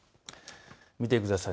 見てください。